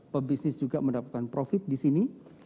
pebisnis juga mendapatkan profit di sini